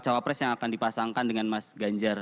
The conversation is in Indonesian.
cawapres yang akan dipasangkan dengan mas ganjar